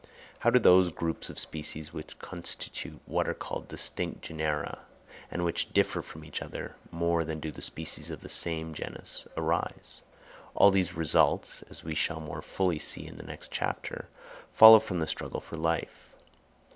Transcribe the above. How do those groups of species, which constitute what are called distinct genera, and which differ from each other more than do the species of the same genus, arise? All these results, as we shall more fully see in the next chapter, follow from the struggle for life.